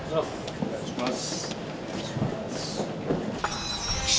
・お願いいたします